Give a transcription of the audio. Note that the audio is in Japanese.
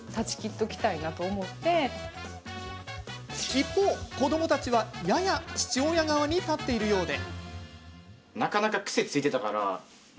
一方、子どもたちはやや父親側に立っているようで。